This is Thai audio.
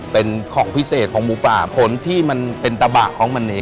เป็นของพิเศษของหมูป่าผลที่มันเป็นตะบะของมันเอง